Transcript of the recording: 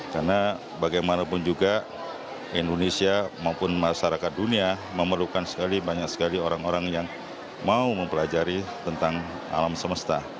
karena bagaimanapun juga indonesia maupun masyarakat dunia memerlukan sekali banyak sekali orang orang yang mau mempelajari tentang alam semesta